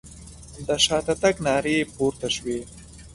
د شاته تګ نارې پورته شوې.